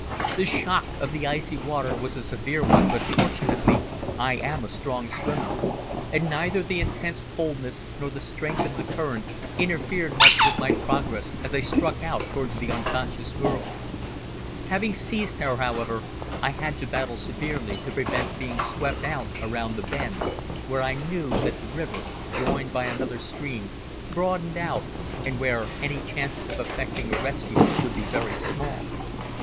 The shock of the icy water was a severe one but, fortunately, I am a strong swimmer, and neither the intense coldness nor the strength of the current interfered much with my progress as I struck out towards the unconscious girl. Having seized her, however, I had to battle severely to prevent being swept out around the bend where I knew that the river, joined by another stream, broadened out, and where any chances of effecting a rescue would be very small.